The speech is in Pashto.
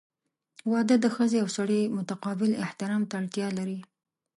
• واده د ښځې او سړي متقابل احترام ته اړتیا لري.